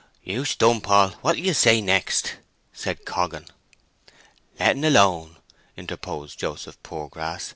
"You stun poll! What will ye say next?" said Coggan. "Let en alone," interposed Joseph Poorgrass.